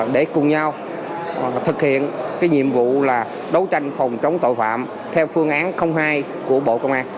để cùng nhau thực hiện cái nhiệm vụ là đấu tranh phòng chống tội phạm theo phương án hai của bộ công an